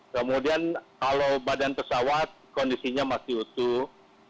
kemudian kalau badan pesawat kondisinya masih utuh